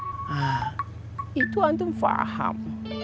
ah itu antum faham